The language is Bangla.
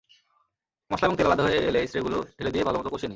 মসলা এবং তেল আলাদা হয়ে এলে ইঁচড়গুলো ঢেলে দিয়ে ভালোমতো কষিয়ে নিন।